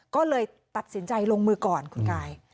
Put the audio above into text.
ก็เลยตัดสินใจลงมือก่อนคุณกาย